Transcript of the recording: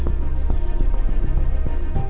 aku mau main ke rumah intan